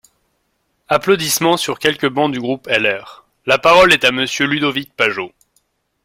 (Applaudissements sur quelques bancs du groupe LR.) La parole est à Monsieur Ludovic Pajot.